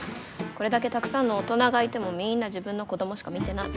これだけたくさんの大人がいてもみんな自分の子供しか見てない。